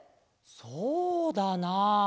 そうだな。